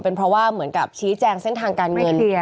เป็นเพราะว่าเหมือนกับชี้แจงเส้นทางการเงิน